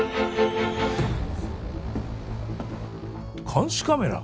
監視カメラ？